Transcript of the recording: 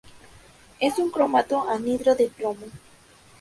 Es un cromato anhidro de plomo.